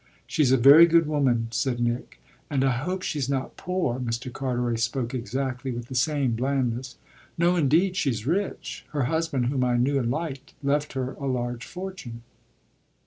"She's a very good woman," said Nick. "And I hope she's not poor." Mr. Carteret spoke exactly with the same blandness. "No indeed, she's rich. Her husband, whom I knew and liked, left her a large fortune."